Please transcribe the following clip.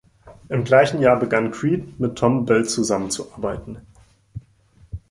Im gleichen Jahr begann Creed, mit Thom Bell zusammenzuarbeiten.